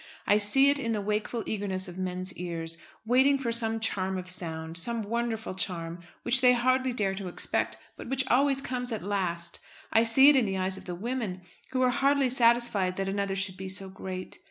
I see it in the wakeful eagerness of men's ears, waiting for some charm of sound, some wonderful charm, which they hardly dare to expect, but which always comes at last. I see it in the eyes of the women, who are hardly satisfied that another should be so great.